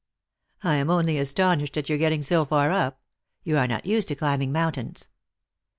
" I am only astonished at your getting so far up. You are not used to climbing mountains."